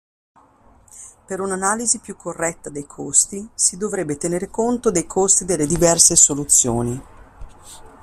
Per un'analisi più corretta dei costi si dovrebbe tenere conto dei costi delle diverse soluzioni.